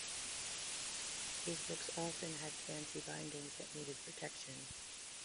These books often had fancy bindings that needed protection.